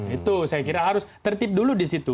itu saya kira harus tertip dulu di situ